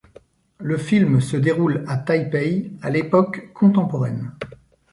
Le film se déroule à Taipei à l'époque contemporaine.